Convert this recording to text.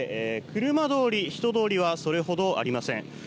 車通り、人通りはそれほどありません。